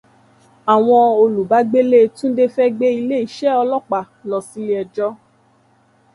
Àwọn olùbágbélé Túndé fẹ́ gbé ilé iṣẹ́ ọlọ́pàá lọ sílé ẹjọ́